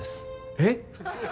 えっ？